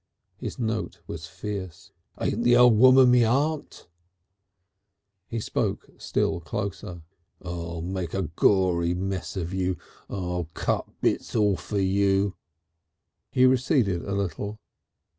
His note was fierce. "Ain't the old woman me aunt?" He spoke still closer. "I'll make a gory mess of you. I'll cut bits orf you " He receded a little.